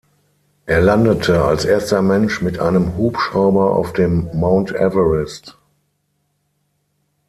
Er landete als erster Mensch mit einem Hubschrauber auf dem Mount Everest.